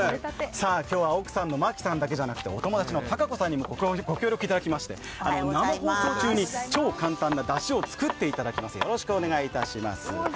今日は奥さんの牧さんだけでなく、お友達のたかこさんにもご協力いただいて生放送中に超簡単なだしを作っていただきます、よろしくお願いします。